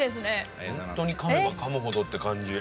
ほんとにかめばかむほどって感じ。